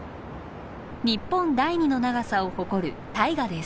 日本第２の長さを誇る大河です。